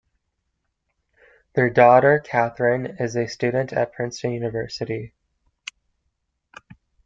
Their daughter Katherine is a student at Princeton University.